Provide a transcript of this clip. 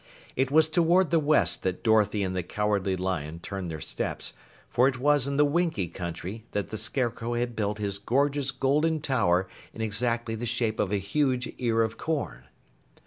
It was toward the west that Dorothy and the Cowardly Lion turned their steps, for it was in the Winkie Country that the Scarecrow had built his gorgeous golden tower in exactly the shape of a huge ear of corn.